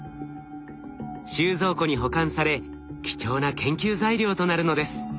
収蔵庫に保管され貴重な研究材料となるのです。